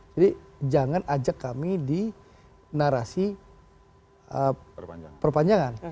jadi jangan ajak kami di narasi perpanjangan